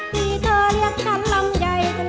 ที่เธอเรียกฉันลำใยก็เลย